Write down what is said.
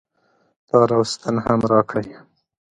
تار او ستن هم راکړئ